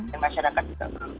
dan masyarakat juga perlu